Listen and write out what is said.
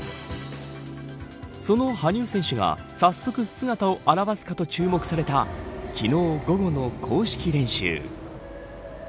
その羽生選手が早速姿を現すかと注目された昨日午後の公式練習。